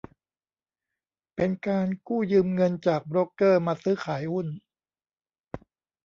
เป็นการกู้ยืมเงินจากโบรกเกอร์มาซื้อขายหุ้น